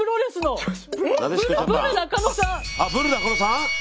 あっブル中野さん